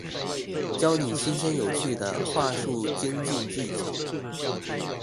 教你新鮮有趣的話術精進技巧